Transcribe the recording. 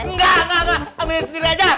enggak enggak enggak ambilin sendiri aja